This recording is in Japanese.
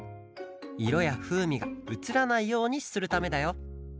いろやふうみがうつらないようにするためだよ